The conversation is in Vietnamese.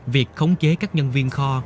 việc khống chế các nhân viên kho